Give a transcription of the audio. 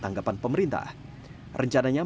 tanggapan pemerintah rencananya